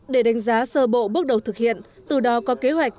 để đánh giá sơ bộ bước đầu thực hiện từ đó có kế hoạch